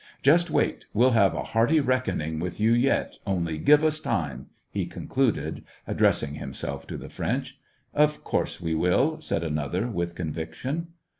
" Just wait, we'll have a hearty reckoning with you yet, only give us time," he concluded, ad dressing himself to the French. "■ Of course we will !" said another, with con viction.